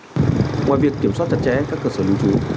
ngoài việc kiểm soát chặt chẽ các cơ sở lưu trú